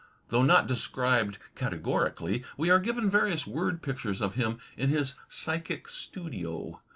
Though not described categorically, we are given various word pictures of him in his "psychic studio."